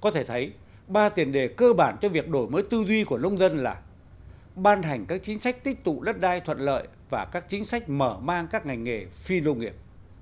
có thể thấy ba tiền đề cơ bản cho việc đổi mới tư duy của nông dân là ban hành các chính sách tích tụ đất đai thuận lợi và các chính sách mở mang các ngành nghề phi nông nghiệp